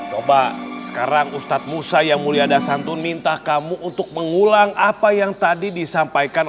coba sekarang ustadz musa yang mulia dah santun minta kamu untuk mengulang apa yang tadi disampaikan